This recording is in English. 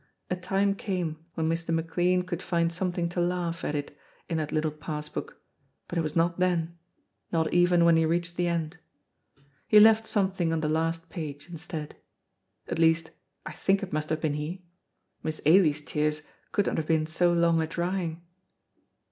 A time came when Mr. McLean could find something to laugh at in that little pass book, but it was not then, not even when he reached the end. He left something on the last page instead. At least I think it must have been he: Miss Ailie's tears could not have been so long a drying.